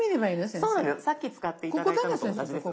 さっき使って頂いたのと同じです。